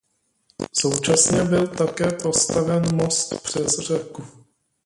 Současně byl také postaven most přes řeku.